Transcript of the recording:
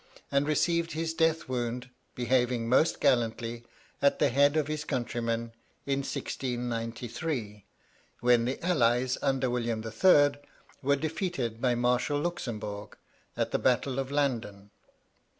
and received his death wound, behaving most gallantly at the head of his countrymen, in 1693, when the allies, under William III., were defeated by Marshal Luxembourg at the battle of Landen.